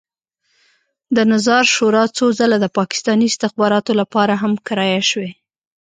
د نظار شورا څو ځله د پاکستاني استخباراتو لپاره هم کرایه شوې.